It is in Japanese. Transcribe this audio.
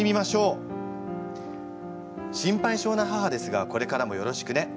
心配性な母ですがこれからもよろしくね。